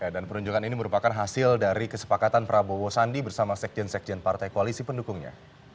dan perunjungan ini merupakan hasil dari kesepakatan prabowo sandi bersama sekjen sekjen partai koalisi pendukungnya